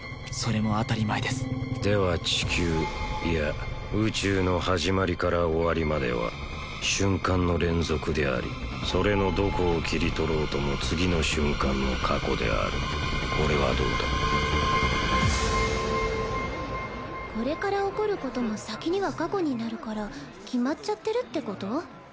それも当たり前ですでは地球いや宇宙の始まりから終わりまでは瞬間の連続でありそれのどこを切り取ろうとも次の瞬間の過去であるこれはどうだこれから起こることも先には過去になるから決まっちゃってるってこと？